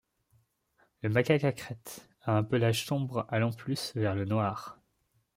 Le Macaque à Crête a un pelage sombre allant plus vers le noir.